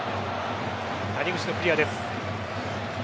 谷口のクリアです。